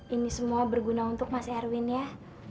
ini semua berguna untuk mas erwin ya